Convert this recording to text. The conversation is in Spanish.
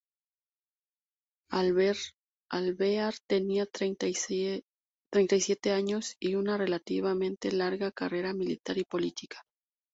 Alvear tenía treinta y siete años y una relativamente larga carrera militar y política.